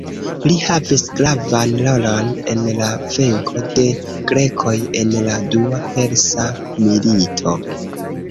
Li havis gravan rolon en la venko de grekoj en la dua persa milito.